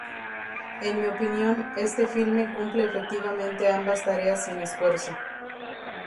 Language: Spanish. En mi opinión, este filme cumple efectivamente ambas tareas sin esfuerzo".